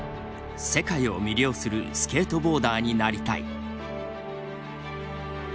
「世界を魅了するスケートボーダーになりたい」。